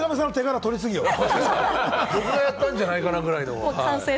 俺がやったんじゃないかな、くらいな。